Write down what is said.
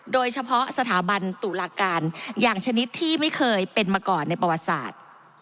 โดยเฉพาะสถาบันตุลาการอย่างชนิดที่ไม่เคยเป็นมาก่อนในประวัติศาสตร์